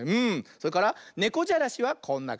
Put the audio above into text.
それからねこじゃらしはこんなかんじ。